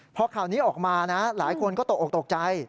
พอข่าวนี้ออกมานะหลายคนก็ตกออกตกใจ